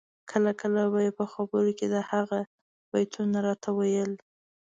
کله کله به یې په خبرو کي د هغه بیتونه راته ویل